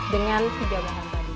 dengan tiga bahan tadi